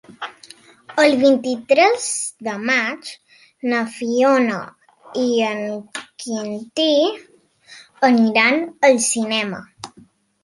El vint-i-tres de maig na Fiona i en Quintí aniran al cinema.